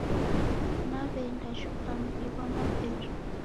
Naw'eenda jhoka mdi ghwa mapera.